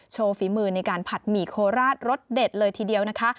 ฝีมือในการผัดหมี่โคราชรสเด็ดเลยทีเดียวนะคะ